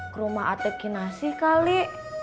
ke rumah atik kinasi kali